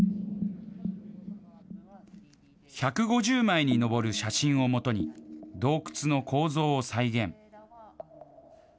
１５０枚に上る写真をもとに、洞窟の構造を再現。